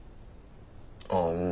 ああうん。